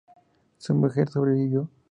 Su mujer sobrevivió.